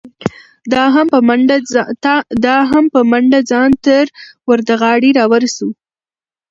ده هم په منډه ځان تر وردغاړې را ورسو.